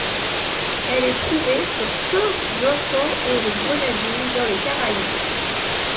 Elle est trouvée sur Saint-Vincent-et-les-Grenadines dans les Caraïbes.